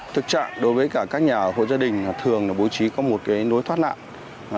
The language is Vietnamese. thực trạng đối với các nhà hội gia đình thường bố trí có một nối thoát nạn